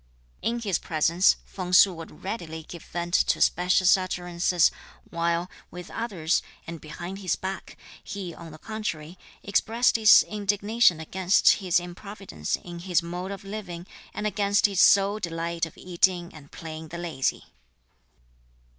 In his presence, Feng Su would readily give vent to specious utterances, while, with others, and behind his back, he on the contrary expressed his indignation against his improvidence in his mode of living, and against his sole delight of eating and playing the lazy.